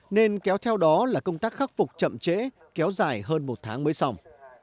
nên kéo theo đó là công tác khắc phục chậm trễ kéo dài hơn một tháng mới xong